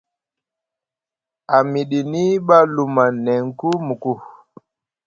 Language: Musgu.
A midini ɓa luma neŋ ku muku.